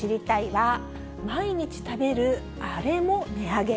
は、毎日食べるあれも値上げ。